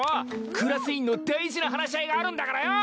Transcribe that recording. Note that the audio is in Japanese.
クラス委員の大事な話し合いがあるんだからよう！